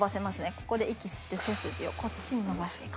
ここで息吸って背筋をこっちに伸ばしていく。